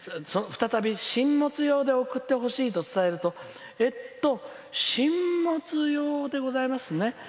再び進物用で送ってほしいと伝えるとえっと、進物用でございますね。